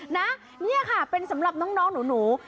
นะนี่ค่ะเป็นสำหรับน้องหนู